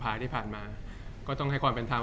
จากความไม่เข้าจันทร์ของผู้ใหญ่ของพ่อกับแม่